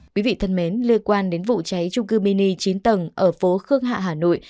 quý vị thân mến liên quan đến vụ cháy trung cư mini chín tầng ở phố khương hạ hà nội